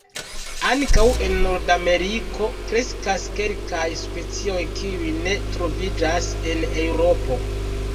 Ankaŭ en Nord-Ameriko kreskas kelkaj specioj kiuj ne troviĝas en Eŭropo.